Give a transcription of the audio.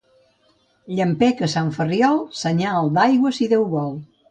Llampec a Sant Ferriol, senyal d'aigua, si Déu vol.